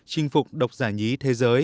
chinh phục độc giả nhí thế giới